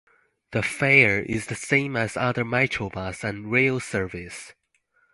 The fare is the same as other Metro bus and rail service.